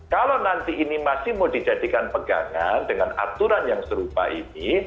kalau nanti ini masih mau dijadikan pegangan dengan aturan yang serupa ini